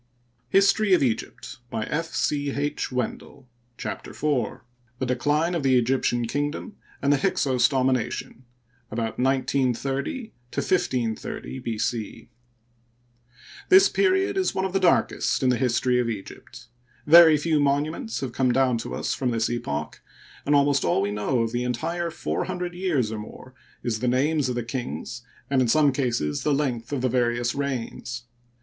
The close of the dynasty is shrouded In darkness. y Google CHAPTER IV. THE DECLINE OF THE EGYPTIAN KINGDOM AND THE HYKSOS DOMINATION — ABOUT I93O 1530 B. C. This period is one of the darkest in the history of Egypt. Very few monuments have come down to us from this epoch, and almost all we know of the entire four hundred years or more is the names of the kings and in some cases the length of the various reigns.